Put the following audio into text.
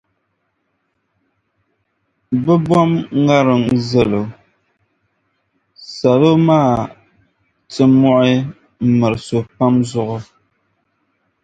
bɛ bom’ ŋariŋ zal’ o, salo maa ti muɣi m-miris’ o pam zuɣu.